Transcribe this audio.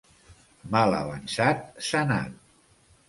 Mal avançat, sanat.